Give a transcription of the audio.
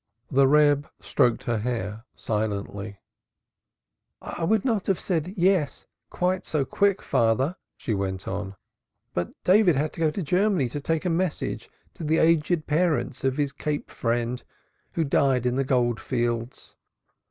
The Reb stroked her hair silently. "I would not have said 'Yea' so quick, father," she went on, "but David had to go to Germany to take a message to the aged parents of his Cape chum, who died in the gold fields.